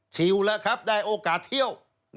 ชิวแล้วครับได้โอกาสเที่ยว